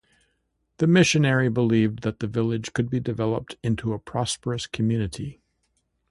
The missionary believed that the village could be developed into a prosperous community.